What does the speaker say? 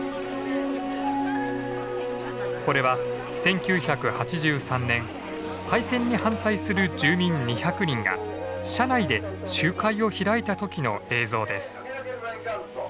これは１９８３年廃線に反対する住民２００人が車内で集会を開いた時の映像です。